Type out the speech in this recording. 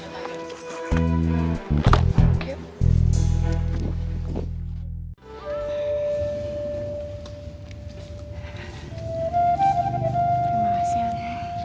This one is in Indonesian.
terima kasih anang